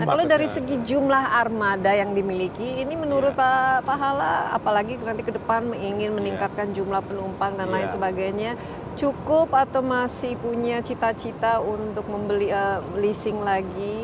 nah kalau dari segi jumlah armada yang dimiliki ini menurut pak hala apalagi nanti ke depan ingin meningkatkan jumlah penumpang dan lain sebagainya cukup atau masih punya cita cita untuk membeli leasing lagi